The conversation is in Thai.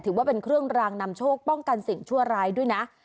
ถือว่าเป็นเครื่องรางนำโชคป้องกันสิ่งชั่วร้ายด้วยนะ